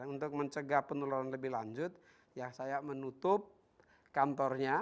untuk mencegah penularan lebih lanjut ya saya menutup kantornya